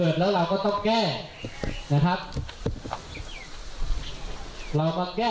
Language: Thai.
ฉันว่ารักไม่ยากให้